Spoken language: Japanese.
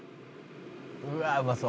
「うわっうまそう」